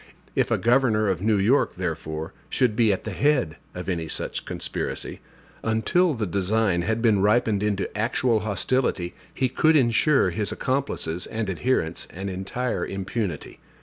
If a governor of New York, therefore, should be at the head of any such conspiracy, until the design had been ripened into actual hostility he could insure his accomplices and adherents an entire impunity.